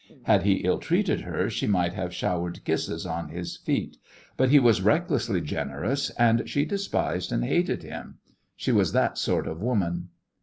Had he ill treated her she might have showered kisses on his feet, but he was recklessly generous, and she despised and hated him. She was that sort of woman.